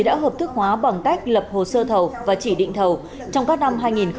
đã hợp thức hóa bằng cách lập hồ sơ thầu và chỉ định thầu trong các năm hai nghìn một mươi sáu hai nghìn một mươi bảy